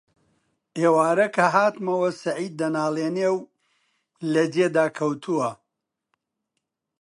ئێوارە کە هاتمەوە سەعید دەناڵێنێ و لە جێدا کەوتووە: